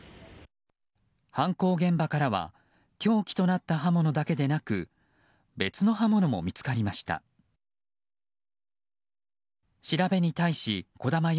犯行現場からは凶器となった刃物だけでなく別の刃物も見つかりました。